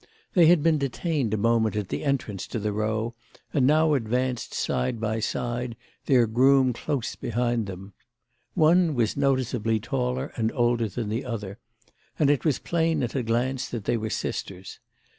They had been detained a moment at the entrance to the Row and now advanced side by side, their groom close behind them. One was noticeably taller and older than the other, and it was plain at a glance that they were sisters.